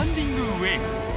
ウエーブ